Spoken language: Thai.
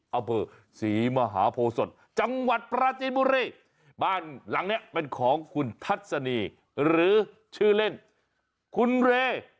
อำเภอศรีมหาโพศจังหวัดปราจีนบุรีบ้านหลังเนี้ยเป็นของคุณทัศนีหรือชื่อเล่นคุณเร